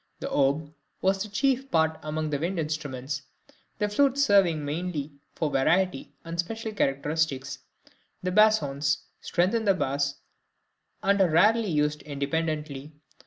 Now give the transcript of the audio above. The oboe has the chief part among the wind instruments, the flutes serving mainly for variety and special characteristics; the bassoons strengthen the bass, and are rarely used independently.